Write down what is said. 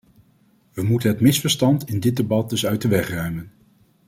We moeten het misverstand in dit debat dus uit de weg ruimen.